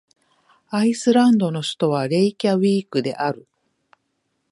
アイスランドの首都はレイキャヴィークである